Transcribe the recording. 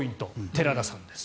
寺田さんです